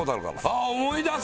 ああ思い出す！